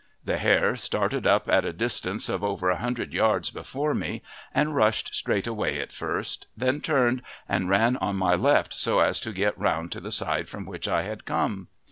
The hare started up at a distance of over a hundred yards before me and rushed straight away at first, then turned, and ran on my left so as to get round to the side from which I had come.